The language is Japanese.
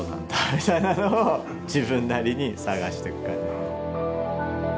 みたいなのを自分なりに探してく感じですね。